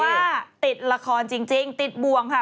ว่าติดละครจริงติดบวงค่ะ